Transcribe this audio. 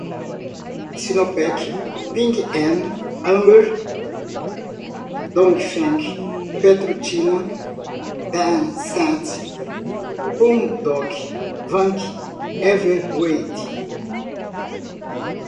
Sinopec, Ping An, Amer, Dongfeng, PetroChina, Tencent, Pudong, Vanke, Evergrande